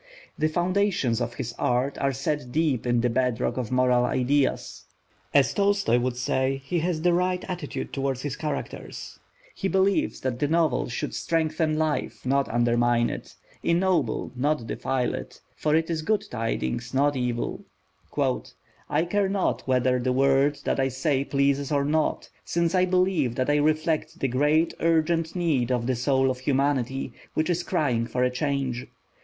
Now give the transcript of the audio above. The foundations of his art are set deep in the bed rock of moral ideas. As Tolstoi would say, he has the right attitude toward his characters. He believes that the Novel should strengthen life, not undermine it; ennoble, not defile it; for it is good tidings, not evil. "I care not whether the word that I say pleases or not, since I believe that I reflect the great urgent need of the soul of humanity, which is crying for a change.